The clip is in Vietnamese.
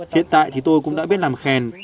hiện tại thì tôi cũng đã biết làm khen